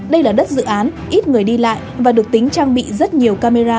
đây là đất dự án ít người đi lại và được tính trang bị rất nhiều camera